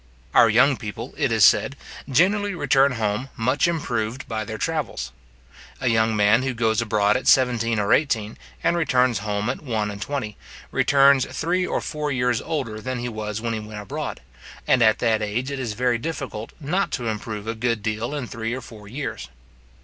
Our young people, it is said, generally return home much improved by their travels. A young man, who goes abroad at seventeen or eighteen, and returns home at one and twenty, returns three or four years older than he was when he went abroad; and at that age it is very difficult not to improve a good deal in three or four years.